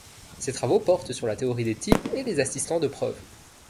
Ses travaux portent sur la théorie des types et les assistants de preuve.